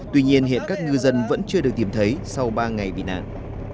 tuy nhiên hiện các ngư dân vẫn chưa được tìm thấy sau ba ngày bị nạn